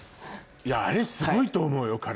あれすごいと思うよ彼氏。